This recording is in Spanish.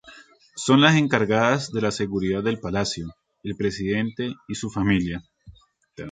Son las encargadas de la seguridad del palacio, el presidente y su familia.